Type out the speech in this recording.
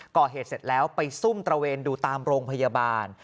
ก่อเหตุเสร็จแล้วไปซุ่มตระเวนดูตามโรงพยาบาล